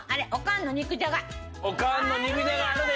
おかんの肉じゃがあるで。